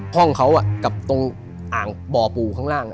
ห้องเขากับตรงอ่างบ่อปู่ข้างล่าง